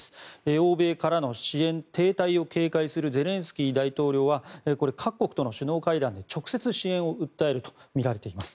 欧米からの支援停滞を警戒するゼレンスキー大統領は各国との首脳会談で直接、支援を訴えるとみられています。